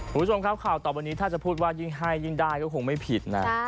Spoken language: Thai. คุณผู้ชมครับข่าวต่อไปนี้ถ้าจะพูดว่ายิ่งให้ยิ่งได้ก็คงไม่ผิดนะ